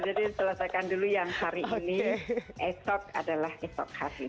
jadi selesaikan dulu yang hari ini esok adalah esok hari